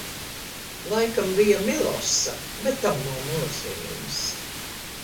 Laikam bija Milosa, bet tam nav nozīmes!